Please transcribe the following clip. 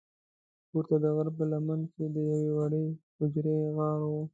پورته د غره په لمنه کې د یوې وړې حجرې غار و.